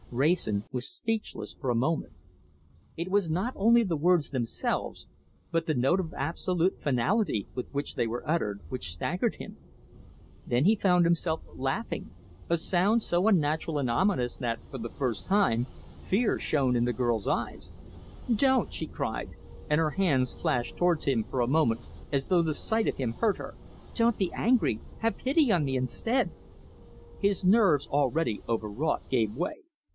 Wrayson was speechless for a moment. It was not only the words themselves, but the note of absolute finality with which they were uttered, which staggered him. Then he found himself laughing, a sound so unnatural and ominous that, for the first time, fear shone in the girl's eyes. "Don't," she cried, and her hands flashed towards him for a moment as though the sight of him hurt her. "Don't be angry! Have pity on me instead." His nerves, already overwrought, gave way.